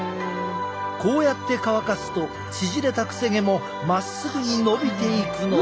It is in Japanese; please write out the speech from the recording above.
こうやって乾かすと縮れたくせ毛もまっすぐに伸びていくのだ。